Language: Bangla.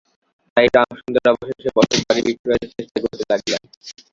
তাই রামসুন্দর অবশেষে বসতবাড়ি বিক্রয়ের চেষ্টা করিতে লাগিলেন।